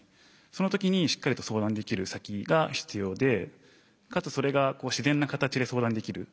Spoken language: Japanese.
その時にしっかりと相談できる先が必要でかつそれが自然な形で相談できる。